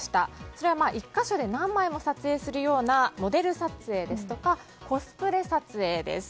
それは１か所で何枚も撮影するようなモデル撮影ですとかコスプレ撮影です。